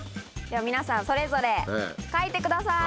皆さんそれぞれ描いてください。